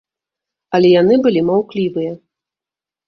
Але яны былі маўклівыя.